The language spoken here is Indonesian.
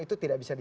itu tidak berhasil